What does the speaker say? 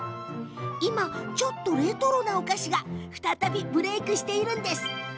今、ちょっとレトロなお菓子が再びブレークしているんです。